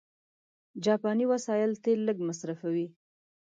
جاپاني وسایل تېل لږ مصرفوي.